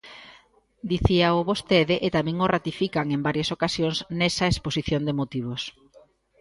Dicíao vostede e tamén o ratifican en varias ocasións nesa exposición de motivos.